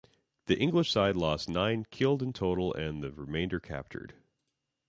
The English side lost nine killed in total and the remainder captured.